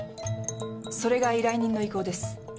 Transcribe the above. それが依頼人の意向です。